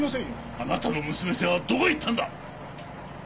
あなたの娘さんはどこへ行ったんだ！？